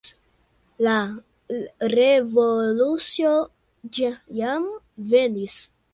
La revolucio jam venkis.